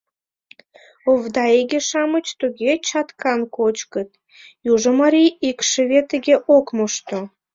Овда иге-шамыч туге чаткан кочкыт — южо марий икшыве тыге ок мошто.